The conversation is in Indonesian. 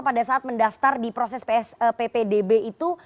pada saat mendaftar di proses ppdb itu